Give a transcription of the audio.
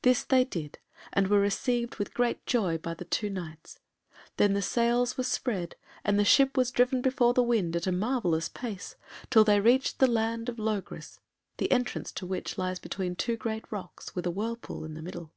This they did, and were received with great joy by the two Knights; then the sails were spread, and the ship was driven before the wind at a marvellous pace till they reached the land of Logris, the entrance to which lies between two great rocks with a whirlpool in the middle.